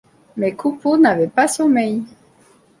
Mais Coupeau n'avait pas sommeil.